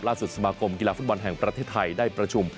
สมาคมกีฬาฟุตบอลแห่งประเทศไทยได้ประชุม